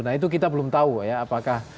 nah itu kita belum tahu ya apakah